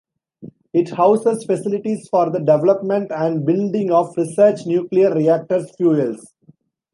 It houses facilities for the development and building of research nuclear reactors fuels.